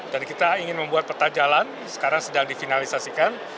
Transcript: jadi kita ingin membuat peta jalan sekarang sedang difinalisasikan